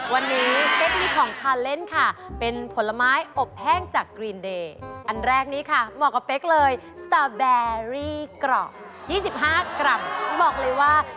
วันนี้เจมส์ที่สุดค่ะ